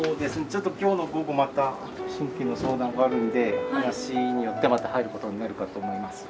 ちょっと今日の午後また新規の相談があるので話によってはまた入ることになるかと思います。